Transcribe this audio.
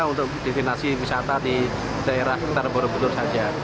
untuk destinasi wisata di daerah taraboro budur saja